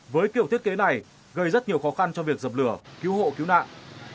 với kiểu thiết kế này gây rất nhiều khó khăn cho việc dập lửa cứu hộ cứu nạn